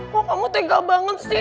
kok kamu tega banget sih